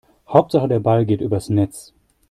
Hauptsache der Ball geht übers Netz.